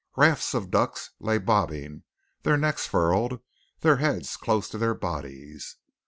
Rafts of ducks lay bobbing, their necks furled, their head close to their bodies.